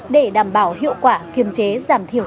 để đảm bảo hiệu quả kiểm chế giảm thiểu